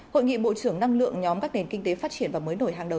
hội nghị bộ trưởng năng lượng nhóm các nền kinh tế phát triển và mới nổi hàng đầu